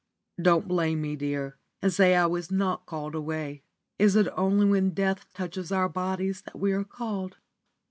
Don't blame me, dear, and say I was not called away. Is it only when death touches our bodies that we are called?